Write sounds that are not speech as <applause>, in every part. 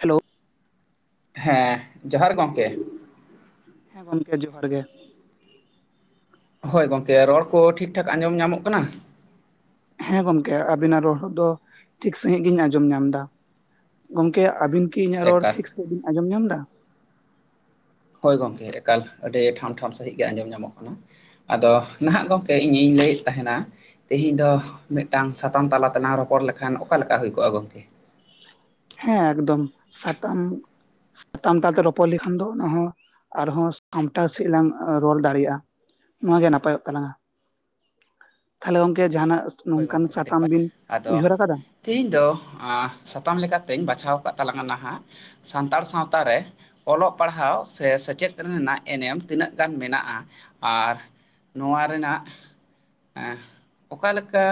Hello ᱦᱮᱸ ᱡᱚᱦᱟᱨ ᱜᱚᱢᱠᱮ᱾ ᱦᱮᱸ ᱜᱚᱢᱠᱮ ᱡᱚᱦᱟᱨ ᱜᱮ᱾ ᱦᱳᱭ ᱜᱚᱢᱠᱮ ᱨᱚᱲ ᱠᱚ ᱴᱷᱤᱠ ᱴᱷᱟᱠ ᱟᱸᱡᱚᱢ ᱧᱟᱢᱚᱜ ᱠᱟᱱᱟ? ᱦᱮᱸ ᱜᱚᱢᱠᱮ ᱟᱵᱤᱱᱟᱜ ᱨᱚᱲ ᱦᱚᱫ ᱫᱚ ᱴᱷᱤᱠ ᱥᱟᱹᱦᱤᱡ ᱜᱤᱧ ᱟᱸᱡᱚᱢ ᱧᱟᱢ ᱮᱫᱟ, ᱜᱚᱢᱠᱮ ᱟᱵᱤᱱ ᱠᱤ ᱤᱧᱟᱹᱜ ᱨᱚᱲ ᱮᱠᱟᱞ ᱴᱷᱤᱠ ᱥᱟᱸᱦᱤᱡ ᱵᱤᱱ ᱟᱸᱡᱚᱢ ᱧᱟᱢ ᱮᱫᱟ? ᱦᱳᱭ ᱜᱚᱢᱠᱮ ᱮᱠᱟᱞ ᱟᱹᱰᱤ ᱴᱷᱟᱢ ᱴᱷᱟᱢ ᱥᱟᱺᱦᱤᱡ ᱜᱮ ᱟᱸᱡᱚᱢ ᱧᱟᱢᱚᱜ ᱠᱟᱱᱟ, ᱟᱫᱚ ᱱᱟᱦᱟᱜ ᱜᱚᱢᱠᱮ ᱤᱧᱤᱧ ᱞᱟᱹᱭᱮᱫ ᱛᱟᱦᱮᱱᱟ ᱛᱮᱦᱮᱧ ᱫᱚ ᱢᱤᱫᱴᱟᱝ ᱥᱟᱛᱟᱢ ᱛᱟᱞᱟ ᱛᱮᱞᱟᱝ ᱨᱚᱯᱚᱲ ᱞᱮᱠᱷᱟᱱ, ᱚᱠᱟ ᱞᱮᱠᱟ ᱦᱩᱭ ᱠᱚᱜᱼᱟ ᱜᱚᱢᱠᱮ? ᱦᱮᱸ ᱮᱠᱫᱚᱢ ᱥᱟᱛᱟᱢ ᱴᱟᱱᱴᱟ ᱛᱮ ᱨᱚᱯᱚᱲ ᱞᱮᱠᱷᱟᱱ ᱫᱚ ᱚᱱᱟ ᱦᱚᱸ ᱟᱨᱦᱚᱸ ᱥᱟᱢᱴᱟᱣ ᱥᱟᱸᱦᱤᱡ ᱞᱟᱝ ᱨᱚᱲ ᱫᱟᱲᱮᱭᱟᱜᱼᱟ᱾ ᱱᱚᱣᱟ ᱜᱮ ᱱᱟᱯᱟᱭᱚᱜ ᱛᱟᱞᱟᱝ-ᱟ, ᱛᱟᱦᱞᱮ ᱜᱚᱢᱠᱮ ᱡᱟᱦᱟᱱᱟᱜ ᱦᱳᱭ ᱱᱚᱝᱠᱟᱱ ᱜᱚᱢᱠᱮ ᱟᱹᱰᱤ ᱥᱟᱛᱟᱢ ᱱᱟᱯᱟᱭ ᱵᱤᱱ ᱟᱫᱚ ᱩᱭᱦᱟᱹᱨ ᱟᱠᱟᱫᱟ? ᱛᱮᱦᱤᱧ ᱫᱚ ᱟ ᱥᱟᱛᱟᱢ ᱞᱮᱠᱟᱛᱮᱧ ᱵᱟᱪᱷᱟᱣ ᱟᱠᱟᱫ ᱛᱟᱞᱟᱝ-ᱟ, ᱱᱟᱦᱟᱜ ᱥᱟᱱᱛᱟᱲ ᱥᱟᱶᱛᱟ ᱨᱮ ᱚᱞᱚᱜ ᱯᱟᱲᱦᱟᱣ ᱥᱮ ᱥᱮᱪᱮᱫ ᱨᱮᱱᱟᱜ ᱮᱱᱮᱢ ᱛᱤᱱᱟᱹᱜ ᱜᱟᱱ ᱢᱮᱱᱟᱜᱼᱟ, ᱟᱨ ᱱᱚᱣᱟ ᱨᱮᱱᱟᱜ ᱮᱸ ᱚᱠᱟᱞᱮᱠ ᱠᱟ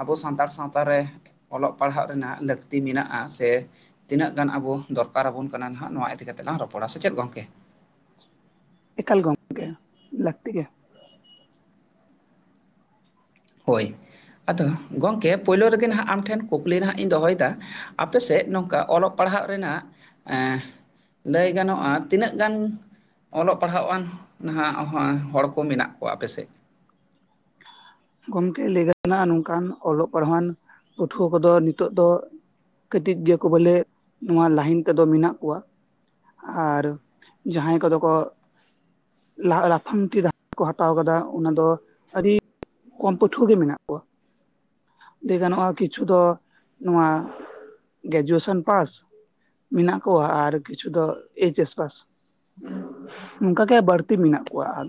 ᱟᱵᱚ ᱥᱟᱱᱛᱟᱲ ᱥᱟᱶᱛᱟ ᱨᱮ ᱚᱞᱚᱜ ᱯᱟᱲᱦᱟᱜ ᱨᱮᱱᱟᱜ ᱞᱟᱹᱠᱛᱤ ᱢᱮᱱᱟᱜᱼᱟ? ᱥᱮ ᱛᱤᱱᱟᱹᱜ ᱜᱟᱱ ᱟᱵᱚ ᱫᱚᱨᱠᱟᱨ ᱟᱵᱚᱱ ᱠᱟᱱᱟ ᱱᱟᱜᱷ ᱱᱚᱣᱟ ᱤᱫᱤᱠᱟ ᱠᱟᱛᱮᱜ ᱞᱟᱝ ᱨᱚᱯᱚᱲᱟ, ᱥᱮ ᱪᱮᱫ ᱜᱚᱢᱠᱮ? ᱮᱠᱟᱞ ᱜᱚᱝᱠᱮ ᱞᱟᱠᱛᱤ ᱜᱮ ᱾ ᱦᱳᱭ ᱟᱫᱚ ᱜᱚᱢᱠᱮ ᱯᱳᱭᱞᱳ ᱨᱮᱜᱮ ᱱᱟᱦᱟᱜ ᱟᱢ ᱴᱷᱮᱱ ᱠᱩᱠᱞᱤ ᱱᱟᱦᱟᱸᱜ ᱤᱧ ᱫᱚᱦᱚᱭᱮᱫᱟ ᱾ ᱟᱯᱮ ᱥᱮᱫ ᱱᱚᱝᱠᱟ ᱚᱞᱚᱜ ᱯᱟᱲᱦᱟᱜ ᱨᱮᱱᱟᱜ ᱮᱸ ᱞᱟᱹᱭ ᱜᱟᱱᱚᱜᱼᱟ, ᱛᱤᱱᱟᱹᱜ ᱜᱟᱱ ᱚᱞᱚᱜ ᱯᱟᱲᱦᱟᱣ ᱟᱱ ᱱᱟᱦᱟᱜ ᱦᱚᱲ ᱠᱚ ᱢᱮᱱᱟᱜ ᱠᱚᱣᱟ ᱟᱯᱮᱥᱮᱫ ᱾ ᱜᱚᱝᱠᱮ ᱞᱟᱹᱭ ᱜᱟᱱᱚᱜᱼᱟ, ᱱᱚᱝᱠᱟᱱ ᱚᱞᱚᱜ ᱯᱟᱲᱦᱟᱜ ᱯᱟᱹᱴᱷᱩᱣᱟᱹ ᱠᱚᱫᱚ ᱱᱤᱛᱚᱜ ᱫᱚ ᱠᱟᱹᱴᱤᱡ ᱜᱮᱠᱚ ᱵᱚᱞᱮ ᱱᱚᱣᱟ ᱞᱟᱭᱤᱱ ᱛᱮᱫᱚ ᱢᱮᱱᱟᱜ ᱠᱚᱣᱟ ᱾ ᱟᱨ ᱡᱟᱦᱟᱸᱭ ᱠᱚᱫᱚ ᱠᱚ ᱞᱟᱯᱷᱟᱝᱴᱤ ᱰᱟᱦᱟᱨ ᱠᱚ ᱦᱟᱛᱟᱣ ᱟᱠᱟᱫᱟ, ᱚᱱᱟ ᱫᱚ ᱟᱹᱰᱤ ᱠᱚᱢ ᱯᱟᱹᱴᱷᱩᱣᱟᱹ ᱜᱮ ᱢᱮᱱᱟᱜ ᱠᱚᱣᱟ ᱾ ᱞᱟᱹᱭ ᱜᱟᱱᱚᱜᱼᱟ ᱠᱤᱪᱷᱩ ᱫᱚ ᱱᱚᱣᱟ ᱜᱨᱮᱡᱩᱭᱮᱥᱚᱱ ᱯᱟᱥ ᱢᱮᱱᱟᱜ ᱠᱚᱣᱟ ᱟᱨ ᱠᱤᱪᱷᱩ ᱫᱚ ᱮᱭᱤᱪ ᱮᱥ ᱯᱟᱥ ᱾ ᱱᱚᱝᱠᱟ ᱜᱮ ᱵᱟᱹᱲᱛᱤ ᱢᱮᱱᱟᱜ ᱠᱚᱣᱟ ᱟᱨ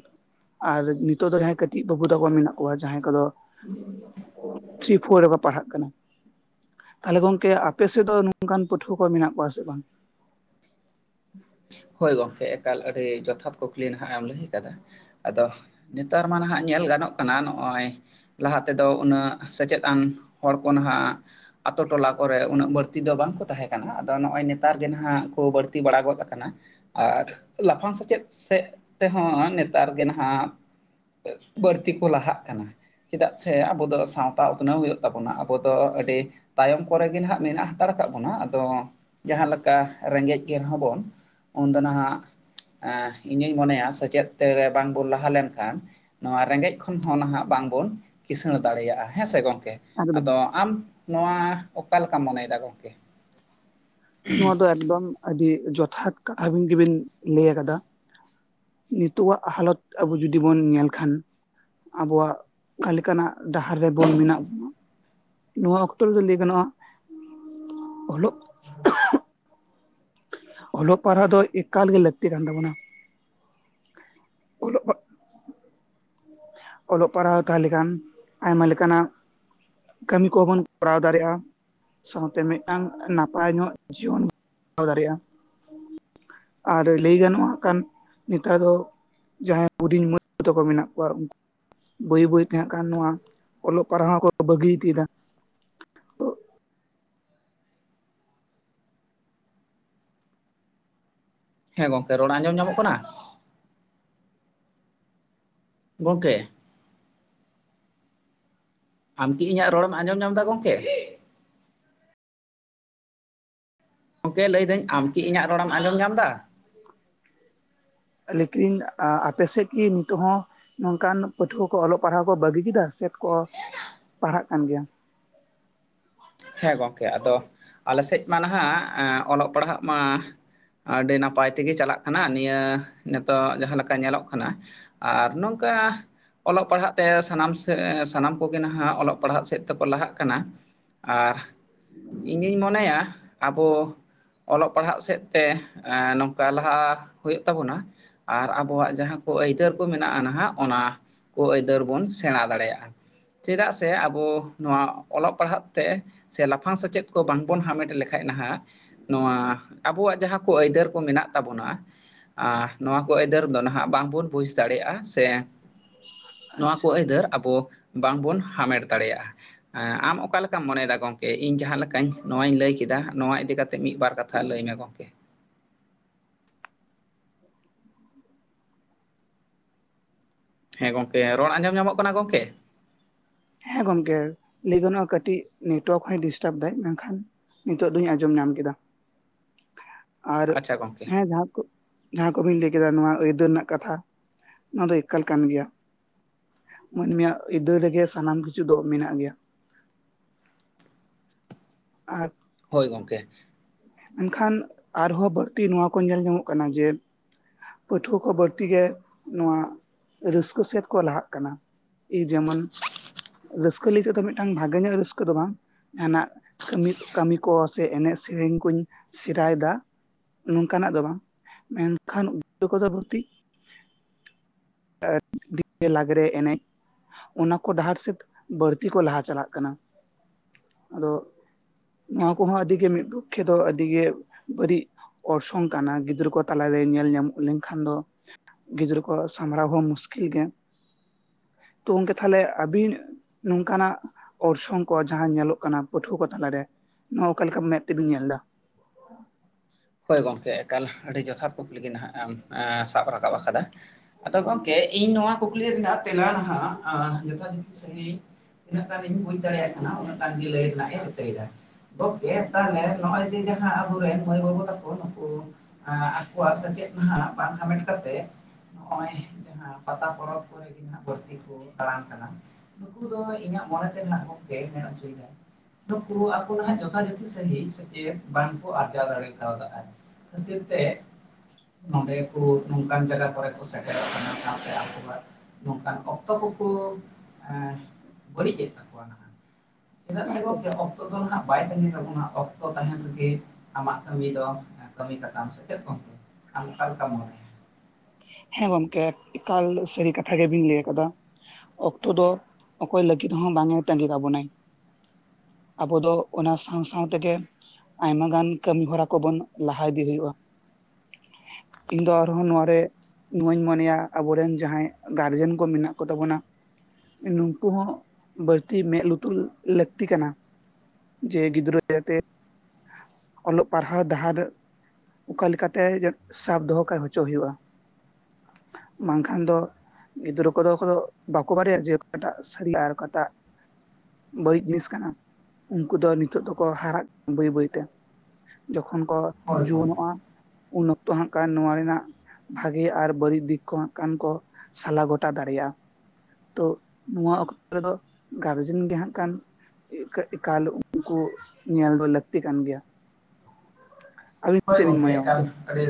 ᱟᱨ ᱱᱤᱛᱚᱜ ᱫᱚ ᱡᱟᱦᱟᱸᱭ ᱠᱟᱹᱴᱤᱡ ᱵᱟᱹᱵᱩ ᱛᱟᱠᱚ ᱢᱮᱱᱟᱜ ᱠᱚᱣᱟ ᱡᱟᱦᱟᱸᱭ ᱠᱚᱫᱚ ᱛᱷᱨᱤ ᱯᱷᱳᱨ ᱨᱮᱠᱚ ᱯᱟᱲᱦᱟᱜ ᱠᱟᱱᱟ ᱾ ᱛᱟᱦᱞᱮ ᱜᱚᱝᱠᱮ ᱟᱯᱮᱥᱮᱫ ᱫᱚ ᱱᱚᱝᱠᱟᱱ ᱯᱟᱹᱴᱷᱩᱣᱟᱹ ᱠᱚ ᱢᱮᱱᱟᱜ ᱠᱚᱣᱟ ᱥᱮ ᱵᱟᱝ? ᱦᱳᱭ ᱜᱚᱢᱠᱮ ᱮᱠᱟᱞ ᱟᱹᱰᱤ ᱡᱚᱛᱷᱟᱛ ᱠᱩᱠᱞᱤ ᱱᱟᱦᱟᱜ ᱮᱢ ᱞᱟᱹᱭ ᱟᱠᱟᱫᱟ ᱾ ᱟᱫᱚ ᱱᱮᱛᱟᱨ ᱢᱟ ᱱᱟᱦᱟᱜ ᱧᱮᱞ ᱜᱟᱱᱚᱜ ᱠᱟᱱᱟ ᱱᱚᱜᱼᱚᱭ, ᱞᱟᱦᱟ ᱛᱮᱫᱚ ᱩᱱᱟᱹᱜ ᱥᱮᱪᱮᱫ ᱟᱱ ᱦᱚᱲ ᱠᱚ ᱱᱟᱦᱟᱜ ᱟᱛᱳ ᱴᱚᱞᱟ ᱠᱚᱨᱮ ᱩᱱᱟᱹᱜ ᱵᱟᱹᱲᱛᱤ ᱫᱚ ᱵᱟᱝ ᱠᱚ ᱛᱟᱦᱮᱸ ᱠᱟᱱᱟ, ᱟᱫᱚ ᱱᱚᱜᱼᱚᱭ ᱱᱮᱛᱟᱨ ᱜᱮ ᱱᱟᱦᱟᱜ ᱠᱚ ᱵᱟᱹᱲᱛᱤ ᱵᱟᱲᱟ ᱜᱚᱫ ᱟᱠᱟᱱᱟ ᱾ ᱟᱨ ᱞᱟᱯᱷᱟᱝ ᱥᱮᱪᱮᱫ ᱥᱮᱫ ᱛᱮᱦᱚᱸ ᱱᱮᱛᱟᱨ ᱜᱮ ᱱᱟᱦᱟᱜ ᱵᱟᱹᱲᱛᱤ ᱠᱚ ᱞᱟᱦᱟᱜ ᱠᱟᱱᱟ ᱾ ᱪᱮᱫᱟᱜ ᱥᱮ ᱟᱵᱚ ᱫᱚ ᱥᱟᱶᱛᱟ ᱩᱛᱱᱟᱹᱣ ᱦᱩᱭᱩᱜ ᱛᱟᱵᱚᱱᱟ ᱟᱵᱚ ᱫᱚ ᱟᱹᱰᱤ ᱛᱟᱭᱚᱢ ᱠᱚᱨᱮᱜ ᱜᱮ ᱱᱟᱦᱟᱜ ᱢᱮᱱᱟᱜ ᱦᱟᱛᱟᱲ ᱠᱟᱜ ᱵᱚᱱᱟ ᱟᱫᱚ ᱡᱟᱦᱟᱸ ᱞᱮᱠᱟ ᱨᱮᱸᱜᱮᱡ ᱜᱮ ᱨᱮᱦᱚᱸ ᱵᱚᱱ ᱩᱱᱫᱚ ᱱᱟᱦᱟᱜ ᱤᱧᱤᱧ ᱢᱚᱱᱮᱭᱟ ᱥᱮᱪᱮᱫ ᱛᱮ ᱵᱟᱝ ᱵᱚᱱ ᱞᱟᱦᱟ ᱞᱮᱱᱠᱷᱟᱱ᱾ ᱱᱚᱣᱟ ᱨᱮᱸᱜᱮᱡ ᱠᱷᱚᱱ ᱦᱚᱸ ᱱᱟᱦᱟᱜ ᱵᱟᱝ ᱵᱚᱱ ᱠᱤᱥᱟᱹᱬ ᱫᱟᱲᱮᱭᱟᱜᱼᱟ ᱾ ᱦᱮᱸ ᱥᱮ ᱜᱚᱝᱠᱮ ᱮᱠᱫᱚᱢ ᱟᱫᱚ ᱟᱢ ᱱᱚᱣᱟ ᱚᱠᱟ ᱞᱮᱠᱟᱢ ᱢᱚᱱᱮᱭᱮᱫᱟ ᱜᱚᱢᱠᱮ? ᱱᱚᱣᱟ ᱫᱚ ᱮᱠᱫᱚᱢ ᱟᱹᱰᱤ ᱡᱚᱛᱷᱟᱛ ᱠᱟᱛᱷᱟ ᱜᱮᱵᱤᱱ ᱞᱟᱹᱭ ᱟᱠᱟᱫᱟ ᱾ ᱱᱤᱛᱚᱜᱼᱟ ᱦᱟᱞᱚᱛ ᱟᱵᱚ ᱡᱩᱫᱤ ᱵᱩᱱ ᱧᱮᱞ ᱠᱷᱟᱱ ᱾ ᱟᱵᱚᱣᱟᱜ ᱚᱠᱟ ᱞᱮᱠᱟᱱᱟᱜ ᱰᱟᱦᱟᱨ ᱨᱮᱵᱩᱱ ᱢᱮᱱᱟᱜ ᱵᱚᱱᱟ? ᱱᱚᱣᱟ ᱚᱠᱛᱚ ᱨᱮᱫᱚ ᱞᱟᱹᱭ ᱜᱟᱱᱚᱜᱼᱟ᱾ ᱚᱞᱚᱜ ᱚᱞᱚᱜ ᱯᱟᱨᱦᱟᱜ ᱫᱚ ᱮᱠᱟᱞ ᱜᱮ ᱞᱟᱹᱠᱛᱤ ᱠᱟᱱ ᱛᱟᱵᱚᱱᱟ᱾ ᱚᱞᱚᱜ ᱯᱟᱲᱼᱼ ᱚᱞᱚᱜ ᱯᱟᱲᱦᱟᱣ ᱦᱟᱛᱟᱣ ᱞᱮᱠᱷᱟᱱ ᱟᱭᱢᱟ ᱞᱮᱠᱟᱱᱟᱜ ᱠᱟᱹᱢᱤ ᱠᱚᱦᱚᱵᱚᱱ ᱠᱚᱨᱟᱣ ᱫᱟᱲᱮᱜᱼᱟ᱾ ᱥᱟᱶᱛᱮ ᱢᱤᱫᱴᱟᱝ ᱱᱟᱯᱟᱭ ᱧᱚᱜ ᱡᱤᱭᱚᱱ <unintelligible> ᱫᱟᱲᱮᱜᱼᱟ᱾ ᱟᱨ ᱞᱟᱹᱭ ᱜᱟᱱᱚᱜᱼᱟ ᱚᱝᱠᱟᱱ ᱱᱮᱛᱟᱨ ᱫᱚ ᱡᱟᱦᱟᱸᱭ ᱦᱩᱰᱤᱧ ᱢᱟᱹᱭ ᱛᱟ ᱠᱚ ᱢᱮᱱᱟᱜ ᱠᱩᱣᱟ᱾ <unintelligible> ᱵᱟᱹᱭ ᱵᱟᱹᱭ ᱛᱮᱦᱟᱸᱜ ᱠᱷᱟᱱ ᱱᱚᱣᱟ ᱚᱞᱚᱜ ᱯᱟᱲᱦᱟᱣ ᱠᱚ ᱵᱟᱹᱜᱤ ᱤᱫᱤᱭᱮᱫᱟ᱾ ᱦᱮᱸ ᱜᱚᱝᱠᱮ ᱨᱚᱲ ᱟᱸᱡᱚᱢ ᱧᱟᱢᱚᱜ ᱠᱟᱱᱟ? ᱜᱚᱝᱠᱮ! ᱟᱢᱠᱤ ᱤᱧᱟᱹᱜ ᱨᱚᱲᱮᱢ ᱟᱸᱡᱚᱢ ᱧᱟᱢ ᱫᱟ ᱜᱚᱝᱠᱮ? <inaudible> ᱜᱚᱝᱠᱮ ᱞᱟᱹᱭᱮᱴ ᱫᱟᱹᱧ ᱟᱢ ᱠᱤ ᱤᱧᱟᱹᱜ ᱨᱚᱲ ᱮᱢ ᱟᱸᱡᱚᱢ ᱧᱟᱢ ᱫᱟ? ᱞᱮᱠᱤᱱ ᱟᱯᱮᱥᱮᱫ ᱠᱤ ᱱᱤᱛᱚᱜ ᱦᱚᱸ ᱱᱚᱝᱠᱟᱱ ᱯᱟᱹᱴᱷᱩᱣᱟᱹ ᱠᱚ ᱚᱞᱚᱜ ᱯᱟᱲᱦᱟᱣ ᱠᱚ ᱵᱟᱹᱜᱤ ᱠᱮᱫᱟ ᱥᱮᱠᱚ ᱯᱟᱲᱦᱟᱜ ᱠᱟᱱ ᱜᱮᱭᱟ? ᱦᱮᱸ ᱜᱚᱝᱠᱮ ᱟᱫᱚ ᱟᱞᱮ ᱥᱮᱡ ᱢᱟ ᱱᱟᱦᱟᱜ ᱚᱞᱚᱜ ᱯᱟᱲᱦᱟᱜ ᱢᱟ ᱟᱹᱰᱤ ᱱᱟᱯᱟᱭ ᱛᱮᱜᱮ ᱪᱟᱞᱟᱜ ᱠᱟᱱᱟ, ᱱᱤᱭᱟᱹ ᱱᱤᱛᱚᱜ ᱡᱟᱦᱟᱸ ᱞᱮᱠᱟ ᱧᱮᱞᱚᱜ ᱠᱟᱱᱟ᱾ ᱟᱨ ᱱᱚᱝᱠᱟ ᱚᱞᱚᱜ ᱯᱟᱲᱦᱟᱜ ᱛᱮ ᱥᱟᱱᱟᱢ ᱥᱮᱜ ᱥᱟᱱᱟᱢ ᱠᱚᱜᱮ ᱱᱟᱦᱟᱜ ᱚᱞᱚᱜ ᱯᱟᱲᱦᱟᱜ ᱥᱮᱫ ᱛᱮᱠᱚ ᱞᱟᱦᱟᱜ ᱠᱟᱱᱟ᱾ ᱟᱨ ᱤᱧᱤᱧ ᱢᱚᱱᱮᱭᱟ ᱟᱵᱚ ᱚᱞᱚᱜ ᱯᱟᱲᱦᱟᱜ ᱥᱮᱫ ᱛᱮ ᱮᱸ ᱱᱚᱝᱠᱟ ᱞᱟᱦᱟ ᱦᱩᱭᱩᱜ ᱛᱟᱵᱚᱱᱟ᱾ ᱟᱨ ᱟᱵᱚᱣᱟᱜ ᱡᱟᱦᱟᱸ ᱠᱚ ᱟᱹᱭᱫᱟᱹᱨ ᱠᱚ ᱢᱮᱱᱟᱜᱼᱟ ᱱᱟᱦᱟᱜ ᱚᱱᱟ ᱠᱚ ᱟᱹᱭᱫᱟᱹᱨ ᱵᱚᱱ ᱥᱮᱬᱟ ᱫᱟᱲᱮᱭᱟᱜᱼᱟ, ᱪᱮᱫᱟᱜ ᱥᱮ ᱟᱵᱚ ᱱᱚᱣᱟ ᱚᱞᱚᱜ ᱯᱟᱲᱦᱟᱜ ᱛᱮ ᱥᱮ ᱞᱟᱯᱷᱟᱝ ᱥᱮᱪᱮᱫ ᱠᱚ ᱵᱟᱝᱵᱚᱱ ᱦᱟᱢᱮᱴ ᱞᱮᱠᱷᱟᱡ ᱱᱟᱦᱟᱜ ᱱᱚᱣᱟ ᱟᱵᱚᱣᱟᱜ ᱡᱟᱦᱟᱸ ᱠᱚ ᱟᱹᱭᱫᱟᱹᱨ ᱠᱚ ᱢᱮᱱᱟᱜ ᱛᱟᱵᱚᱱᱟ, ᱟᱨ ᱱᱚᱣᱟ ᱠᱚ ᱟᱹᱭᱫᱟᱹᱨ ᱫᱚ ᱱᱟᱦᱟᱜ ᱵᱟᱝᱵᱚᱱ ᱵᱩᱡᱽ ᱫᱟᱲᱮᱭᱟᱜᱼᱟ ᱥᱮ, ᱱᱚᱣᱟ ᱠᱚ ᱟᱪᱪᱷᱟ ᱟᱹᱭᱫᱟᱹᱨ ᱟᱵᱚ ᱵᱟᱝᱵᱚᱱ ᱦᱟᱢᱮᱴ ᱫᱟᱲᱮᱭᱟᱜᱼᱟ, ᱮᱸ ᱟᱢ ᱚᱠᱟᱞᱮᱠᱟ ᱪᱮᱫ ᱞᱮᱠᱟᱢ ᱢᱚᱱᱮᱭᱫᱟ ᱜᱚᱝᱠᱮ ᱤᱧ ᱡᱟᱦᱟᱸ ᱞᱮᱠᱟᱧ ᱱᱚᱣᱟᱧ ᱞᱟᱹᱭ ᱠᱮᱫᱟ, ᱱᱚᱣᱟ ᱤᱫᱤ ᱠᱟᱛᱮ ᱢᱤᱫ ᱵᱟᱨ ᱠᱟᱛᱷᱟ ᱞᱟᱹᱭᱢᱮ ᱜᱚᱝᱠᱮ᱾ ᱦᱮᱸ ᱜᱚᱝᱠᱮ ᱨᱚᱲ ᱟᱸᱡᱚᱢ ᱧᱟᱢᱚᱜ ᱠᱟᱱᱟ ᱜᱚᱝᱠᱮ? ᱦᱮᱸ ᱜᱚᱝᱠᱮ ᱞᱟᱹᱭ ᱜᱟᱱᱚᱜᱼᱟ ᱠᱟᱹᱴᱤᱡ ᱱᱮᱴᱣᱟᱨᱠ ᱦᱚᱸᱭ ᱰᱤᱥᱴᱟᱵᱽ ᱫᱟᱭ᱾ ᱢᱮᱱᱠᱷᱟᱱ ᱱᱤᱛᱚᱜ ᱫᱚᱧ ᱟᱸᱡᱚᱢ ᱧᱟᱢ ᱠᱮᱫᱟ᱾ <inaudible> ᱟᱨ ᱟᱪᱪᱷᱟ ᱜᱚᱢᱠᱮ ᱦᱮᱸ ᱡᱟᱦᱟᱸ ᱠᱚ ᱡᱟᱦᱟᱸ ᱠᱚᱵᱤᱱ ᱞᱟᱹᱭ ᱠᱮᱫᱟ ᱱᱚᱣᱟ ᱟᱹᱭᱫᱟᱹᱨ ᱨᱮᱱᱟᱜ ᱠᱟᱛᱷᱟ, ᱱᱚᱣᱟ ᱫᱚ ᱮᱠᱟᱞ ᱠᱟᱱ ᱜᱮᱭᱟ᱾ ᱢᱟᱹᱱᱢᱤᱭᱟᱜ ᱟᱹᱫᱟᱹᱨ ᱨᱮᱜᱮ ᱥᱟᱱᱟᱢ ᱠᱤᱪᱷᱩ ᱫᱚ ᱢᱮᱱᱟᱜ ᱜᱮᱭᱟ᱾ ᱟᱨ ᱦᱳᱭ ᱜᱚᱝᱠᱮ᱾ ᱢᱮᱱᱠᱷᱟᱱ ᱟᱨᱦᱚᱸ ᱵᱟᱹᱲᱛᱤ ᱱᱚᱣᱟ ᱠᱚ ᱧᱮᱞ ᱧᱟᱢᱚᱜ ᱠᱟᱱᱟ ᱡᱮ ᱯᱟᱹᱴᱷᱩᱣᱟᱹ ᱠᱚ ᱵᱟᱹᱲᱛᱤ ᱜᱮ ᱱᱚᱶᱟ ᱨᱟᱹᱥᱠᱟᱹ ᱥᱮᱫ ᱠᱚ ᱞᱟᱦᱟᱜ ᱠᱟᱱᱟ᱾ ᱤ ᱡᱮᱢᱚᱱ ᱨᱟᱹᱥ ᱠᱟᱹ ᱞᱟᱹᱜᱤᱫ ᱫᱚ ᱢᱤᱫᱴᱟᱝ ᱵᱷᱟᱜᱮ ᱧᱚᱜ ᱨᱟᱹᱥᱠᱟᱹ ᱫᱚ ᱵᱟᱝ ᱡᱟᱦᱟᱱᱟᱜ ᱠᱟᱹᱢᱤ, ᱠᱟᱹᱢᱤ ᱠᱚ ᱥᱮ ᱮᱱᱮᱡ ᱥᱮᱨᱮᱧ ᱠᱩᱧ ᱥᱮᱨᱟᱭᱮᱫᱟ᱾ ᱱᱚᱝᱠᱟᱱᱟᱜ ᱫᱚ ᱵᱟᱝ᱾ ᱢᱮᱱᱠᱷᱟᱱ <inaudible> ᱠᱚᱫᱚ ᱵᱷᱩᱛᱤ ᱟᱹ ᱰᱤ ᱞᱟᱜᱽᱨᱮ ᱮᱱᱮᱡ᱾ ᱚᱱᱟ ᱠᱚ ᱰᱟᱦᱟᱨ ᱥᱮᱫ ᱵᱟᱹᱲᱛᱤ ᱠᱚ ᱞᱟᱦᱟ ᱪᱟᱞᱟᱜ ᱠᱟᱱᱟ᱾ ᱟᱫᱚ, ᱱᱚᱣᱟ ᱠᱚᱦᱚᱸ ᱟᱹᱰᱤ ᱢᱤᱫ ᱯᱚᱠᱠᱷᱮ ᱫᱚ ᱟᱹᱰᱤᱜᱮ ᱵᱟᱹᱲᱤᱡ ᱚᱨᱥᱚᱝ ᱠᱟᱱᱟ ᱜᱤᱫᱽᱨᱟᱹ ᱠᱚ ᱛᱟᱞᱟᱨᱮ ᱧᱮᱞ ᱧᱟᱢᱚᱜ ᱞᱮᱱᱠᱷᱟᱱ ᱫᱚ ᱜᱤᱫᱽᱨᱟᱹ ᱠᱚ ᱥᱟᱢᱵᱽᱲᱟᱣ ᱦᱚᱸ ᱢᱩᱥᱠᱤᱞ ᱜᱮ᱾ ᱛᱚ ᱜᱚᱝᱠᱮ ᱛᱟᱦᱞᱮ ᱟᱵᱤᱱ ᱱᱚᱝᱠᱟᱱᱟᱜ ᱚᱨᱥᱚᱝ ᱠᱚ ᱡᱟᱦᱟᱸ ᱧᱮᱞᱚᱜ ᱠᱟᱱᱟ ᱯᱟᱹᱴᱷᱩᱣᱟᱹ ᱠᱚ ᱛᱟᱞᱟᱨᱮ ᱱᱚᱣᱟ ᱚᱠᱟᱞᱮᱠᱟᱢ ᱢᱮ ᱛᱮᱵᱤᱱ ᱧᱮᱞ ᱮᱫᱟ? ᱦᱳᱭ ᱜᱚᱝᱠᱮ ᱮᱠᱟᱞ ᱟᱹᱰᱤ ᱡᱚᱛᱷᱟᱛ ᱠᱩᱠᱞᱤ ᱜᱤ ᱱᱟᱦᱟᱜ ᱮᱢ ᱥᱟᱵ ᱨᱟᱠᱟᱵ ᱟᱠᱟᱫᱟ᱾ ᱟᱫᱚ ᱜᱚᱝᱠᱮ ᱤᱧ ᱱᱚᱣᱟ ᱠᱩᱠᱞᱤ ᱨᱮᱱᱟᱜ ᱛᱮᱞᱟ ᱦᱟᱸᱜ ᱡᱚᱛᱷᱟᱛ ᱥᱟᱺᱦᱤᱡ᱾ ᱛᱤᱱᱟᱹᱜ ᱜᱟᱱ ᱤᱧ ᱵᱩᱡᱽ ᱫᱟᱲᱤᱭᱟᱜ ᱠᱟᱱᱟ ᱩᱱᱟᱹᱜ ᱜᱟᱱ ᱜᱤ ᱞᱟᱹᱭ ᱨᱮᱱᱟᱜ ᱤᱧ ᱨᱤᱠᱟᱹᱭ ᱫᱟ᱾ ᱛᱟᱦᱚᱞᱮ ᱱᱚᱜᱼᱚᱭ ᱡᱮ ᱡᱟᱦᱟᱸ ᱟᱵᱚᱨᱮᱱ ᱢᱟᱹᱭ ᱵᱟᱹᱵᱩ ᱛᱟ ᱠᱚ ᱱᱩᱠᱩ ᱱᱩᱠᱩ ᱟᱠᱚᱣᱟᱜ ᱥᱮᱪᱮᱫ ᱢᱟᱦᱟ ᱵᱟᱝ ᱦᱟᱢᱮᱴ ᱠᱟᱛᱮ᱾ ᱦᱚᱜᱼᱚᱭ ᱯᱟᱛᱟ ᱯᱚᱨᱚᱵᱽ ᱠᱚᱨᱮ ᱜᱮ ᱦᱟᱸᱜ ᱵᱟᱹᱲᱛᱤ ᱠᱚ ᱫᱟᱲᱟᱱ ᱠᱟᱱᱟ᱾ ᱱᱩᱠᱩ ᱫᱚ ᱤᱧᱟᱜ ᱢᱚᱱᱮ ᱛᱮ ᱦᱟᱸᱜ ᱜᱚᱝᱠᱮ ᱢᱮᱱ ᱚᱪᱚᱭᱫᱟᱭ᱾ ᱟᱫᱚ ᱱᱟᱦᱟᱜ ᱡᱚᱛᱷᱟ ᱡᱚᱛᱷᱤ ᱥᱟᱹᱦᱤᱡ ᱥᱮᱪᱮᱫ ᱵᱟᱝᱠᱚ ᱟᱨᱡᱟᱣ ᱫᱟᱲᱮ <unintelligible> ᱠᱷᱟᱹᱛᱤᱨ ᱛᱮ ᱱᱚᱰᱮ ᱠᱚ ᱱᱚᱝᱠᱟᱱ ᱡᱟᱜᱟ ᱠᱚᱨᱮ ᱥᱮᱴᱮᱨᱚᱜ ᱠᱟᱱᱟ ᱥᱟᱶᱛᱮ ᱟᱠᱵᱚ ᱠᱚᱣᱟᱜ ᱱᱚᱝᱠᱟᱱ ᱚᱠᱛᱚ ᱠᱚᱠᱩ ᱵᱟᱹᱲᱤᱡᱮᱫ ᱛᱟᱠᱚᱣᱟ ᱱᱟᱦᱟᱜ, ᱪᱮᱫᱟᱜ ᱥᱮ ᱮᱠᱫᱚᱢ ᱜᱚᱝᱠᱮ ᱚᱠ ᱛᱚ ᱫᱚ ᱦᱟᱸᱜ ᱵᱟᱭ ᱛᱟᱹᱝᱜᱤ ᱠᱟᱵᱚᱱᱟ ᱚᱠᱛᱚ ᱛᱟᱦᱮᱱ ᱨᱮᱜᱮ ᱟᱢᱟᱜ ᱠᱟᱹᱢᱤ ᱫᱚ ᱠᱟᱹᱢᱤ ᱠᱟᱛᱟᱢ ᱥᱮ ᱪᱮᱫ ᱜᱚᱝᱠᱮ? ᱟᱢ ᱚᱠᱟ ᱞᱮᱠᱟᱢ ᱢᱚᱱᱮᱭᱟ᱾ ᱦᱮᱸ ᱜᱚᱢᱠᱮ ᱮᱠᱟᱞ ᱥᱟᱹᱨᱤ ᱠᱟᱛᱷᱟ ᱜᱮᱵᱤᱱ ᱞᱟᱹᱭ ᱟᱠᱟᱫᱟ᱾ ᱚᱠᱛᱚ ᱫᱚ ᱚᱠᱚᱭ ᱞᱟᱹᱜᱤᱫ ᱦᱚᱸ ᱵᱟᱝ-ᱮ ᱛᱟᱹᱝᱜᱤ ᱠᱟᱵᱚᱱᱟᱭ᱾ ᱟᱵᱚ ᱫᱚ ᱚᱱᱟ ᱥᱟᱶ ᱥᱟᱶ ᱛᱮᱜᱮ ᱟᱭᱢᱟ ᱜᱟᱱ ᱠᱟᱹᱢᱤ ᱦᱚᱨᱟ ᱠᱚᱵᱚᱱ ᱞᱟᱦᱟ ᱤᱫᱤ ᱦᱩᱭᱩᱜᱼᱟ᱾ ᱤᱧ ᱫᱚ ᱟᱨᱦᱚᱸ ᱱᱚᱶᱟ ᱨᱮ ᱱᱚᱣᱟᱧ ᱢᱚᱱᱮᱭᱟ ᱟᱵᱚᱨᱮᱱ ᱡᱟᱦᱟᱸᱭ ᱜᱟᱨᱡᱮᱱ ᱠᱚ ᱢᱮᱱᱟᱜ ᱠᱚ ᱛᱟᱵᱚᱱᱟ ᱱᱩᱝᱠᱩ ᱦᱚᱸ ᱵᱟᱹᱲᱛᱤ ᱢᱮᱫ ᱞᱩᱛᱩᱨ ᱞᱟᱹᱠᱛᱤ ᱠᱟᱱᱟ᱾ ᱡᱮ ᱜᱤᱫᱽᱨᱟᱹ <inaudible> ᱛᱮ᱾ ᱚᱞᱚᱜ ᱯᱟᱲᱦᱟᱣ ᱰᱟᱦᱟᱨ ᱚᱠᱟ ᱞᱮᱠᱟᱛᱮ ᱡᱟ ᱥᱟᱵ ᱫᱚᱦᱚ ᱠᱟ ᱦᱚᱪᱚ ᱦᱩᱭᱩᱜᱼᱟ᱾ ᱵᱟᱝ ᱠᱷᱟᱱ ᱫᱚ ᱜᱤᱫᱽᱨᱟᱹ ᱠᱚᱫᱚ ᱠᱚᱫᱚ ᱵᱟᱠᱚ ᱵᱟᱰᱟᱭᱟ ᱡᱮ ᱚᱠᱟᱴᱟᱜ <inaudible> ᱟᱨ ᱚᱠᱟᱴᱟᱜ ᱵᱟᱹᱲᱤᱡ ᱡᱤᱱᱤᱥ ᱠᱟᱱᱟ ᱩᱱᱠᱩ ᱫᱚ ᱱᱤᱛᱚᱜ ᱫᱚᱠᱚ ᱦᱟᱨᱟᱜ, ᱵᱟᱹᱭ ᱵᱟᱹᱭ ᱛᱮ᱾ ᱡᱚᱠᱷᱚᱱ ᱠᱚ ᱦᱳᱭ ᱜᱚᱝᱠᱮ ᱡᱩᱣᱟᱹᱱᱚᱜᱼᱟ ᱩᱱ ᱚᱠᱛᱚ ᱦᱟᱸᱜ ᱠᱷᱟᱱ ᱱᱚᱣᱟ ᱨᱮᱱᱟᱜ ᱜᱮ ᱟᱨ ᱵᱟᱹᱲᱤᱡ ᱫᱤᱠ ᱠᱚ ᱦᱟᱸᱜ ᱠᱷᱟᱱ ᱠᱚ ᱥᱟᱞᱟ ᱜᱚᱴᱟ ᱫᱟᱲᱮᱭᱟᱜᱼᱟ᱾ ᱛᱚ ᱱᱚᱣᱟ ᱚᱠᱛᱚ ᱨᱮᱫᱚ ᱜᱟᱨᱡᱮᱱ ᱜᱮ ᱦᱟᱸᱜ ᱠᱷᱟᱱ ᱮᱠᱟ ᱮᱠᱟᱞ ᱩᱱᱠᱩ ᱧᱮᱞ ᱫᱚ ᱞᱟᱹᱠᱛᱤ ᱠᱟᱱ ᱜᱮᱭᱟ᱾ ᱟᱹᱵᱤᱱ ᱦᱳᱭ ᱪᱮᱫ ᱵᱤᱱ ᱢᱚᱱᱮᱭᱟ ᱮᱠᱟᱞ ᱜᱚᱝᱠᱮ? ᱟᱹᱰᱤ,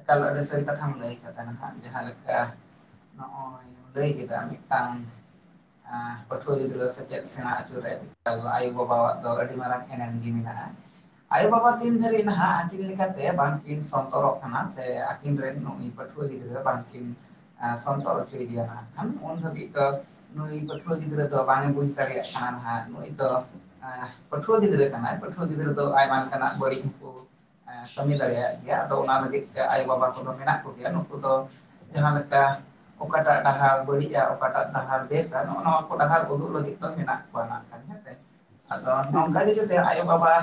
ᱮᱠᱟᱞ ᱟᱹᱰᱤ ᱥᱟᱹᱨᱤ ᱠᱟᱛᱷᱟᱢ ᱞᱟᱹᱭ ᱠᱟᱜ ᱛᱟᱞᱟᱝᱟ ᱡᱟᱦᱟᱸ ᱞᱮᱠᱟ ᱱᱚᱜᱼᱚᱭ ᱞᱟᱹᱭ ᱠᱮᱫᱟ ᱢᱤᱫᱴᱟᱝ ᱮᱸ ᱯᱟᱹᱴᱷᱩᱣᱟᱹ ᱜᱤᱫᱽᱨᱟᱹ ᱥᱮᱪᱮᱫ ᱥᱮᱬᱟ ᱚᱪᱚ ᱨᱮ <inaudible> ᱟᱭᱳᱼᱵᱟᱵᱟᱣᱟᱜ ᱫᱚ ᱟᱹᱰᱤ ᱢᱟᱨᱟᱝ ᱮᱱᱮᱢ ᱜᱮ ᱢᱮᱱᱟᱜᱼᱟ, ᱟᱭᱳᱼᱵᱟᱵᱟ ᱛᱤᱱ ᱫᱷᱟᱹᱨᱤᱡ ᱱᱟᱦᱟᱜ ᱟᱹᱠᱤᱱ ᱞᱮᱠᱟᱛᱮ ᱵᱟᱝᱠᱤᱱ ᱥᱚᱱᱛᱚᱨᱚᱜ ᱠᱟᱱᱟ ᱥᱮ ᱟᱹᱠᱤᱱ ᱨᱮᱱ ᱩᱱᱤ ᱯᱟᱹᱴᱷᱩᱣᱟᱹ ᱜᱤᱫᱽᱨᱟᱹ ᱵᱟᱝᱠᱤᱱ ᱮᱸ ᱥᱚᱱᱛᱚᱨ ᱦᱚᱪᱚᱭ ᱤᱫᱤᱭᱟ ᱱᱟᱜ ᱠᱷᱟᱱ ᱩᱱ ᱫᱷᱟᱹᱵᱤᱡ ᱫᱚ ᱱᱩᱭ ᱯᱟᱹᱴᱷᱩᱣᱟᱹ ᱜᱤᱫᱽᱨᱟᱹ ᱫᱚ ᱵᱟᱝᱮ ᱵᱩᱡ ᱫᱟᱲᱮᱭᱟᱜ ᱠᱟᱱᱟ ᱱᱟᱦᱟᱜ ᱱᱩᱭ ᱫᱚ ᱮᱸ ᱯᱟᱹᱴᱷᱩᱣᱟᱹ ᱜᱤᱫᱽᱨᱟᱹ ᱠᱟᱱᱟᱭ, ᱯᱟᱹᱴᱷᱩᱣᱟᱹ ᱜᱤᱫᱽᱨᱟᱹ ᱫᱚ ᱟᱭᱢᱟ ᱞᱮᱠᱟᱱᱟᱜ ᱵᱟᱹᱲᱤᱡ ᱠᱚ ᱮᱸ ᱠᱟᱹᱢᱤ ᱫᱟᱲᱮᱭᱟᱜ ᱜᱮᱭᱟ ᱟᱫᱚ ᱚᱱᱟ ᱞᱟᱜᱤᱫ ᱛᱮ ᱟᱭᱳ ᱵᱟᱵᱟ ᱠᱚᱫᱚ ᱢᱮᱱᱟᱜ ᱠᱚᱜᱮᱭᱟ ᱱᱩᱠᱩ ᱫᱚ ᱡᱟᱦᱟᱸ ᱞᱮᱠᱟ ᱚᱠᱟᱴᱟᱜ ᱰᱟᱦᱟᱨ ᱵᱟᱹᱲᱤᱡᱼᱟ ᱚᱠᱟᱴᱟᱜ ᱰᱟᱦᱟᱨ ᱵᱮᱥ ᱟ ᱱᱚᱜᱼᱚ ᱱᱚᱣᱟ ᱠᱚ ᱰᱟᱦᱟᱨ ᱩᱫᱩᱜ ᱞᱟᱹᱜᱤᱫ ᱫᱚ ᱢᱮᱱᱟᱜ ᱠᱚᱣᱟ ᱱᱟᱜ ᱠᱷᱟᱡ᱾ ᱦᱮᱸ ᱥᱮ? ᱟᱫᱚ ᱱᱚᱝᱠᱟ ᱮᱠᱫᱚᱢ ᱜᱮ ᱡᱟᱛᱮ ᱟᱭᱳ ᱵᱟᱵᱟ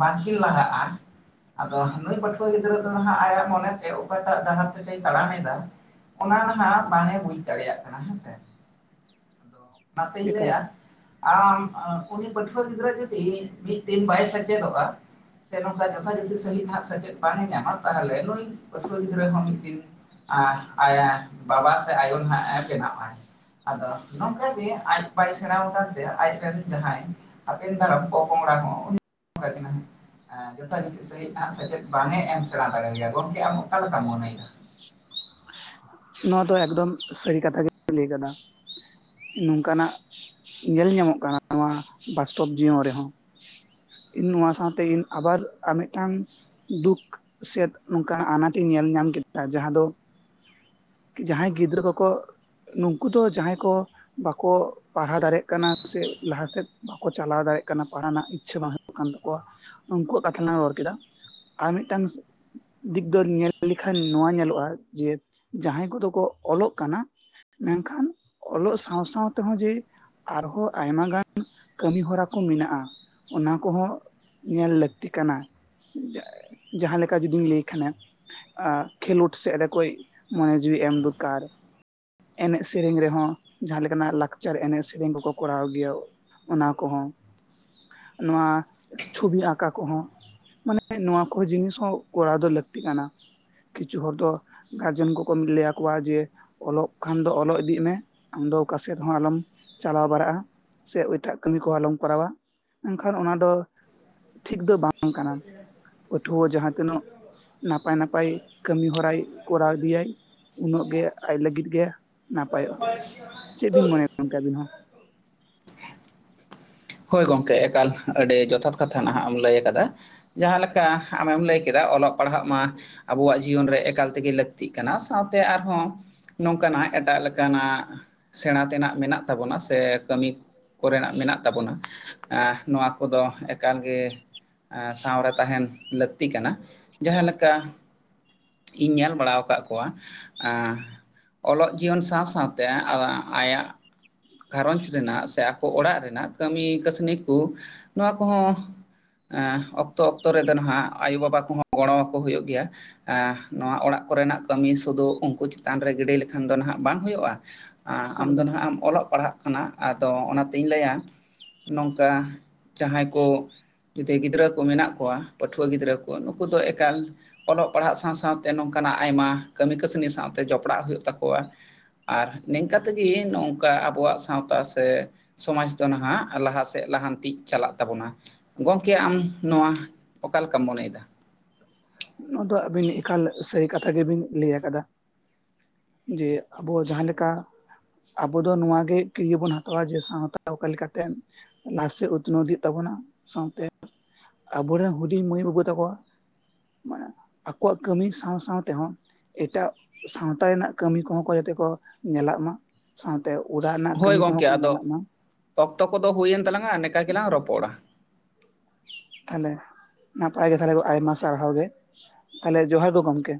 ᱵᱟᱝᱠᱤᱱ ᱞᱟᱦᱟᱜᱼᱟ ᱟᱫᱚ ᱱᱩᱭ ᱯᱟᱹᱴᱷᱩᱣᱟᱹ ᱜᱤᱫᱽᱨᱟᱹ ᱫᱚ ᱱᱟᱦᱟᱜ ᱟᱭᱟᱜ ᱢᱚᱱᱮ ᱛᱮ ᱚᱠᱟᱴᱟᱜ ᱰᱟᱦᱟᱨ ᱛᱮᱪᱚᱭ ᱛᱟᱲᱟᱢᱮᱫᱟ? ᱚᱱᱟ ᱱᱟᱦᱟᱜ ᱵᱟᱝᱮ ᱵᱩᱡᱽ ᱫᱟᱲᱮᱭᱟᱜ ᱠᱟᱱᱟ ᱦᱮᱸᱥᱮ, ᱟᱫᱚ ᱚᱱᱟᱛᱮᱧ ᱮᱠᱟᱞ ᱞᱟᱹᱭᱟ ᱟᱢ ᱮ ᱩᱱᱤ ᱯᱟᱹᱴᱷᱩᱣᱟᱹ ᱜᱤᱫᱽᱨᱟᱹ ᱡᱩᱫᱤ ᱢᱤᱫ ᱫᱤᱱ ᱵᱟᱭ ᱥᱮᱪᱮᱫᱚᱜᱼᱟ ᱥᱮ ᱱᱚᱝᱠᱟ ᱡᱚᱛᱷᱟ ᱡᱚᱛᱷᱤ ᱥᱟᱹᱦᱤᱡ ᱱᱟᱦᱟᱜ ᱥᱮᱪᱮᱫ ᱵᱟᱝᱮ ᱧᱟᱢᱟ ᱛᱟᱦᱚᱞᱮ ᱱᱩᱭ ᱯᱟᱹᱴᱷᱩᱣᱟᱹ ᱜᱤᱫᱽᱨᱟᱹ ᱦᱚᱸ ᱢᱤᱫ ᱫᱤᱱ ᱟ ᱟᱭᱟ ᱵᱟᱵᱟ ᱥᱮ ᱟᱭᱳ ᱱᱟᱦᱟᱜ ᱮ ᱵᱮᱱᱟᱣᱚᱜ ᱟᱭ᱾ ᱟᱫᱚ ᱱᱚᱝᱠᱟ ᱜᱮ ᱟᱡ ᱵᱟᱭ ᱥᱮᱬᱟᱣ ᱠᱟᱱ ᱛᱮ ᱟᱡᱨᱮᱱ ᱡᱟᱦᱟᱸᱭ ᱟᱯᱮᱱ ᱫᱟᱨᱟᱢ ᱯᱚᱼᱯᱚᱝᱲᱟ ᱦᱚᱸ <inaudible> ᱮᱸ ᱡᱚᱛᱷᱟ ᱡᱚᱛᱷᱤ ᱥᱟᱺᱦᱤᱡ ᱱᱟᱦᱟᱜ ᱥᱮᱪᱮᱫ ᱵᱟᱝᱮ ᱮᱢ ᱥᱮᱬᱟ ᱫᱟᱲᱮᱣᱟᱭᱟ᱾ ᱜᱚᱝᱠᱮ ᱟᱢ ᱚᱠᱟ ᱞᱮᱠᱟᱢ ᱢᱚᱱᱮᱭᱮᱫᱟ? ᱱᱚᱣᱟ ᱫᱚ ᱮᱠᱫᱚᱢ ᱥᱟᱹᱨᱤ ᱠᱟᱛᱷᱟ <inaudible> ᱞᱟᱹᱭ ᱠᱟᱫᱟ᱾ ᱱᱚᱝᱠᱟᱱᱟᱜ ᱧᱮᱞ ᱧᱟᱢᱚᱜ ᱠᱟᱱᱟ ᱱᱚᱣᱟ ᱵᱟᱥᱛᱚᱵ ᱡᱤᱭᱚᱱ ᱨᱮᱦᱚᱸ᱾ ᱤᱧ ᱱᱚᱣᱟ ᱥᱟᱶᱛᱮ ᱤᱧ ᱟᱵᱟᱨ ᱟᱨ ᱢᱤᱫᱴᱟᱝ ᱫᱩᱠ ᱥᱮᱫ ᱱᱚᱝᱠᱟᱱᱟᱜ ᱟᱱᱟᱴ ᱤᱧ ᱧᱮᱞ ᱧᱟᱢ ᱠᱮᱫᱟ ᱡᱟᱦᱟᱸ ᱫᱚ ᱡᱟᱦᱟᱸᱭ ᱜᱤᱫᱽᱨᱟᱹ ᱠᱚᱼᱠᱚ ᱱᱩᱝᱠᱩ ᱫᱚ ᱡᱟᱦᱟᱸᱭ ᱠᱚᱼᱼ ᱵᱟᱠᱚ ᱯᱟᱲᱦᱟ ᱫᱟᱲᱮᱭᱟᱜ ᱠᱟᱱᱟ ᱥᱮ ᱞᱟᱦᱟᱥᱮᱫ ᱵᱟᱠᱚ ᱪᱟᱞᱟᱣ ᱫᱟᱲᱮᱭᱟᱜ ᱠᱟᱱᱟ, ᱯᱟᱲᱦᱟ ᱨᱮᱱᱟᱜ ᱤᱪᱪᱷᱟᱹ ᱵᱟᱝᱼᱼ ᱠᱟᱱ ᱛᱟᱠᱚᱣᱟ, ᱩᱱᱠᱩᱣᱟᱜ ᱠᱟᱛᱷᱟ ᱞᱟᱝ ᱨᱚᱲ ᱠᱮᱫᱟ ᱟᱨ ᱢᱤᱫᱴᱟᱝᱼᱼ ᱫᱤᱠ ᱫᱚ ᱱᱤᱭᱟᱹ ᱧᱮᱞ ᱞᱮᱠᱷᱟᱱ ᱱᱚᱣᱟ ᱧᱮᱞᱚᱜᱼᱟ ᱡᱮ ᱡᱟᱦᱟᱸᱭ ᱠᱚᱫᱚ ᱠᱚ ᱚᱞᱚᱜ ᱠᱟᱱᱟ᱾ ᱢᱮᱱᱠᱷᱟᱱ ᱚᱞᱚᱜ ᱥᱟᱶ ᱥᱟᱶ ᱛᱮ ᱦᱚᱸ ᱡᱮᱼᱼ ᱟᱨᱦᱚᱸ ᱟᱭᱢᱟ ᱜᱟᱱ ᱠᱟᱹᱢᱤ ᱦᱚᱨᱟ ᱠᱚ ᱢᱮᱱᱟᱜᱼᱟ, ᱚᱱᱟ ᱠᱚ ᱦᱚᱸᱼᱼ ᱧᱮᱞ ᱞᱟᱹᱠᱛᱤ ᱠᱟᱱᱟ᱾ ᱡᱟᱦᱟᱸ ᱞᱮᱠᱟ ᱡᱩᱫᱤᱢ ᱞᱟᱹᱭ ᱠᱷᱟᱱᱮᱼᱼ ᱟᱸᱜ ᱠᱷᱮᱞᱚᱰ ᱥᱮᱜ ᱨᱮ ᱠᱚᱭ ᱢᱚᱱᱮ ᱡᱤᱣᱤ ᱮᱢ ᱫᱚᱨᱠᱟᱨ᱾ ᱮᱱᱮᱡ ᱥᱮᱨᱮᱧ ᱨᱮᱦᱚᱸ ᱡᱟᱦᱟᱸ ᱞᱮᱠᱟᱱᱟᱜ ᱞᱟᱠᱪᱟᱨ ᱮᱱᱮᱡ ᱥᱮᱨᱮᱧ ᱠᱚᱼᱠᱚ ᱠᱚᱨᱟᱣ ᱜᱮᱭᱟ᱾ ᱚᱱᱟ ᱠᱚᱦᱚᱸ, ᱱᱚᱣᱟ ᱪᱷᱚᱵᱤ ᱟᱸᱠᱟᱣ ᱠᱚ ᱦᱚᱸᱼᱼ ᱢᱟᱱᱮ ᱱᱚᱣᱟ ᱠᱚ ᱡᱤᱱᱤᱥ ᱦᱚᱸ ᱠᱚᱨᱟᱣ ᱫᱚ ᱞᱟᱹᱠᱛᱤ ᱠᱟᱱᱟ, ᱠᱤᱪᱷᱩ ᱦᱚᱲ ᱫᱚ ᱜᱟᱨᱡᱮᱱ ᱠᱚᱼᱼ <unintelligible> ᱠᱚ ᱞᱟᱹᱭᱟ ᱠᱚᱣᱟ ᱡᱮ ᱚᱞᱚᱜ ᱠᱷᱟᱱ ᱫᱚ ᱚᱞᱚᱜ ᱤᱫᱤᱜ ᱢᱮ, ᱟᱢᱫᱚ ᱚᱠᱟ ᱥᱮᱫ ᱦᱚᱸ ᱟᱞᱚᱢᱼᱼ ᱪᱟᱞᱟᱣ ᱵᱟᱲᱟᱜᱼᱟ, ᱥᱮ ᱮᱴᱟᱜ ᱠᱟᱹᱢᱤ ᱠᱚ ᱟᱞᱚᱢ ᱠᱚᱨᱟᱣᱟ, ᱢᱮᱱᱠᱷᱟᱱ ᱚᱱᱟ ᱫᱚᱼᱼ ᱴᱷᱤᱠ ᱫᱚ ᱵᱟᱝ ᱠᱟᱱᱟ᱾ ᱯᱟᱹᱴᱷᱣᱟᱹ ᱡᱟᱦᱟᱸ ᱛᱤᱱᱟᱹᱜ ᱱᱟᱯᱟᱭ ᱱᱟᱯᱟᱭ ᱠᱟᱹᱢᱤ ᱦᱚᱨᱟᱭ ᱠᱚᱨᱟᱣ ᱤᱫᱤᱭᱟᱭᱼᱼ ᱩᱱᱟᱹᱜ ᱜᱮ ᱟᱡᱽ ᱞᱟᱹᱜᱤᱫ ᱜᱮ ᱱᱟᱯᱟᱭᱚᱜ ᱾ ᱵᱟᱥ <inaudible> ᱪᱮᱜ ᱵᱤᱱ ᱢᱚᱱᱮᱭᱟᱜ ᱠᱟᱱ ᱛᱮ ᱟᱹᱵᱤᱱ ᱦᱚᱸ? ᱦᱚᱭ ᱜᱚᱝᱠᱮ, ᱮᱠᱟᱞ ᱟᱹᱰᱤ ᱡᱚᱛᱷᱟᱛ ᱠᱟᱛᱷᱟ ᱱᱷᱟᱜ ᱮᱢ ᱞᱟᱹᱭ ᱟᱠᱟᱫᱟ᱾ ᱡᱟᱦᱟᱸ ᱞᱮᱠᱟ ᱟᱢᱮᱢ ᱞᱟᱹᱭ ᱠᱮᱫᱟ, ᱚᱞᱚᱜ ᱯᱟᱲᱦᱟᱜ ᱢᱟᱼᱼ ᱟᱵᱚᱣᱟᱜ ᱡᱤᱭᱚᱱ ᱨᱮ ᱮᱠᱟᱞ ᱛᱮᱜᱮ ᱞᱟᱹᱠᱛᱤᱜ ᱠᱟᱱᱟ᱾ ᱥᱟᱶᱛᱮ ᱟᱨ ᱦᱚᱸᱼᱼ ᱱᱚᱝᱼᱠᱟᱱᱟᱜ ᱮᱴᱟᱜ ᱞᱮᱠᱟᱱᱟᱜ ᱥᱮᱬᱟ ᱛᱮᱱᱟᱜ ᱢᱮᱱᱟᱜᱼᱼ ᱛᱟᱵᱚᱱᱟ ᱥᱮ ᱠᱟᱹᱢᱤ ᱠᱚᱨᱮᱱᱟᱜ ᱢᱮᱱᱟᱜ ᱛᱟᱵᱚᱱᱟ᱾ ᱮᱸ ᱱᱚᱣᱟ ᱠᱚᱫᱚ ᱮᱠᱟᱞ ᱜᱮᱼᱼ ᱮᱸ ᱥᱟᱶᱨᱮ ᱛᱟᱦᱮᱸᱱ ᱞᱟᱹᱠᱛᱤ ᱠᱟᱱᱟ ᱡᱟᱦᱟᱸ ᱞᱮᱠᱟᱼᱼ ᱤᱧ ᱧᱮᱞ ᱵᱟᱲᱟᱣ ᱟᱠᱟᱜ ᱠᱚᱣᱟ᱾ ᱮᱸ ᱼᱼ ᱚᱞᱚᱜ ᱡᱤᱭᱚᱱ ᱥᱟᱶ ᱥᱟᱶᱛᱮ ᱟᱫᱚ ᱟᱸᱭᱟᱜᱼᱼ ᱜᱷᱟᱨᱚᱸᱡᱽ ᱨᱮᱱᱟᱜ ᱥᱮ ᱟᱠᱚ ᱚᱲᱟᱜ ᱨᱮᱱᱟᱜ, ᱠᱟᱹᱢᱤ ᱠᱟᱹᱥᱱᱤ ᱠᱚ ᱱᱚᱣᱟ ᱠᱚᱦᱚᱸᱼᱼ ᱮᱸ ᱚᱠᱛᱚᱼᱚᱠᱛᱚ ᱨᱮᱫᱚ ᱱᱷᱟᱜ ᱟᱭᱩᱼᱵᱟᱵᱟ ᱠᱚᱦᱚᱸ ᱜᱚᱲᱚ ᱟᱠᱚ ᱦᱩᱭᱩᱜ ᱜᱮᱭᱟ᱾ ᱮᱸ ᱱᱚᱣᱟ ᱚᱲᱟᱜ ᱠᱚᱨᱮᱱᱟᱜ ᱠᱟᱹᱢᱤ ᱥᱩᱫᱩ ᱩᱱᱠᱩ ᱪᱮᱛᱟᱱ ᱨᱮ ᱜᱤᱰᱤ ᱞᱮᱠᱷᱟᱱ ᱫᱚ ᱦᱟᱸᱜ ᱵᱟᱝ ᱦᱩᱭᱩᱜᱼᱟ᱾ ᱟᱸ ᱚᱱᱟ ᱟᱢᱫᱚ ᱠᱚᱫᱚ ᱦᱟᱸᱜ ᱮᱢ ᱚᱞᱚᱜ ᱯᱟᱲᱦᱟᱜ ᱠᱟᱱᱟ ᱟᱫᱚ ᱚᱱᱟᱛᱤᱧ ᱞᱟᱹᱭᱟᱼᱼ ᱱᱚᱝᱠᱟ ᱡᱟᱦᱟᱸᱭ ᱠᱚᱼᱼ ᱡᱩᱫᱤ ᱜᱤᱫᱽᱨᱟᱹ ᱠᱚ ᱢᱮᱱᱟᱜ ᱠᱚᱣᱟ, ᱯᱟᱹᱴᱷᱩᱣᱟᱹ ᱜᱤᱫᱽᱨᱟᱹ ᱠᱚ ᱱᱩᱠᱩ ᱫᱚ ᱮᱠᱟᱞᱼᱼ ᱚᱞᱚᱜ ᱯᱟᱲᱦᱟᱜ ᱥᱟᱶᱼᱥᱟᱶᱛᱮ ᱱᱚᱝ ᱠᱟᱱᱟᱜ ᱟᱭᱢᱟ ᱠᱟᱹᱢᱤᱼᱠᱟᱹᱥᱱᱤ ᱥᱟᱶᱛᱮ ᱡᱚᱯᱲᱟᱜ ᱦᱩᱭᱩᱜ ᱛᱟᱠᱚᱣᱟ᱾ ᱟᱨ ᱱᱤᱝᱠᱟ ᱛᱮᱜᱮ ᱱᱚᱝᱠᱟ ᱟᱵᱚᱣᱟᱜ ᱥᱟᱶᱛᱟ ᱥᱮ ᱥᱚᱢᱟᱡᱽ ᱫᱚ ᱱᱷᱟᱜᱻᱼᱼ ᱞᱟᱦᱟ ᱥᱮᱜ ᱞᱟᱦᱟᱱᱛᱤ ᱪᱟᱞᱟᱜ ᱛᱟᱵᱚᱱᱟ, ᱜᱚᱝᱠᱮ ᱟᱢ ᱱᱚᱣᱟ ᱚᱠᱟ ᱞᱮᱠᱟᱢ ᱢᱚᱱᱮᱭᱮᱫᱟ? ᱱᱚᱣᱟ ᱫᱚ ᱟᱹᱵᱤᱱ ᱮᱠᱟᱞ ᱥᱟᱹᱨᱤ ᱠᱟᱛᱷᱟ ᱜᱮᱵᱤᱱ ᱞᱟᱹᱭ ᱟᱠᱟᱫᱟ᱾ ᱡᱮ ᱟᱵᱚ ᱡᱟᱦᱟᱸ ᱞᱮᱠᱟᱼᱼ ᱟᱵᱚ ᱫᱚ ᱱᱚᱣᱟᱜᱮ ᱠᱤᱨᱭᱟᱹ ᱵᱚᱱ ᱦᱟᱛᱟᱣᱟ ᱡᱮ ᱥᱟᱶᱛᱟ ᱚᱠᱟ ᱞᱮᱠᱟᱛᱮ? ᱚᱱᱟ ᱦᱤᱥᱟᱹ ᱩᱛᱱᱟᱹᱣ ᱤᱫᱤᱜ ᱛᱟᱵᱚᱱᱟ, ᱥᱟᱶᱛᱮ ᱟᱵᱚ ᱨᱮᱱ ᱦᱩᱰᱤᱧ ᱢᱟᱹᱭᱼᱵᱟᱹᱵᱩ ᱛᱟᱠᱚᱣᱟ᱾ ᱢᱟᱱᱮ ᱟᱠᱚᱣᱟᱜ ᱠᱟᱹᱢᱤ ᱥᱟᱶᱼᱥᱟᱶ ᱛᱮᱦᱚᱸᱼᱼ ᱮᱴᱟᱜ ᱥᱟᱶᱛᱟ ᱨᱮᱱᱟᱜ ᱠᱟᱹᱢᱤ ᱠᱚᱦᱚᱸ ᱠᱚ ᱡᱟᱛᱮ ᱠᱚ ᱧᱮᱞᱟᱜ ᱢᱟ᱾ ᱥᱟᱶᱛᱮ ᱩᱲᱟᱜ ᱨᱮᱱᱟᱜ ᱦᱳᱭ ᱠᱟᱹᱢᱤ ᱠᱚᱦᱚᱸ ᱜᱚᱢᱠᱮ ᱠᱚ ᱧᱮᱞᱟᱜ ᱟᱫᱚ ᱢᱟ᱾ ᱚᱠᱛᱚ ᱠᱚᱫᱚ ᱦᱩᱭᱮᱱ ᱛᱟᱞᱟᱝᱼᱟ ᱟᱨ ᱱᱮᱝᱠᱟ ᱜᱮᱞᱟᱝ ᱨᱚᱯᱚᱲᱟ᱾ ᱛᱟᱦᱞᱮ ᱱᱟᱯᱟᱭ ᱜᱮ, ᱛᱟᱞᱦᱮ ᱟᱭᱢᱟ ᱥᱟᱨᱦᱟᱣ ᱜᱮ ᱛᱟᱞᱦᱮ ᱡᱚᱦᱟᱨ ᱜᱚ ᱜᱚᱝᱠᱮ᱾